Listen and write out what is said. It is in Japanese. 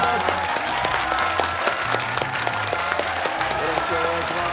よろしくお願いします。